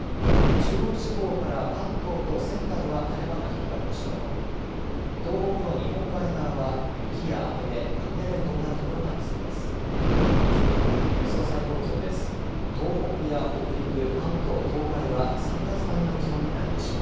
中国地方から関東と仙台は晴れ間が広がるでしょう。